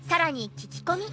聞き込み。